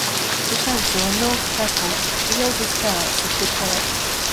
The Chancel and North Chapel are the oldest parts of the church.